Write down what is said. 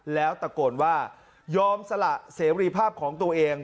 แล้วตะโกนว่ายอมสละเสรีภาพของตัวเอง